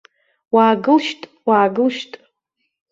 Уаагылшьт, уаагылшьт.